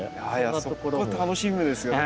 そこ楽しみですよね。